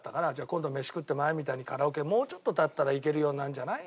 今度飯食って前みたいにカラオケもうちょっと経ったら行けるようになるんじゃない？